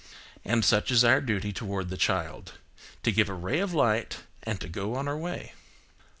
And such is our duty toward the child: to give a ray of light and to go on our way.